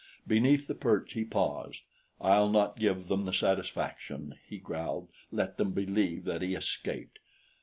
Beneath the perch he paused. "I'll not give them the satisfaction," he growled. "Let them believe that he escaped."